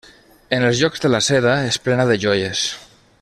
En els llocs de la seda és plena de joies.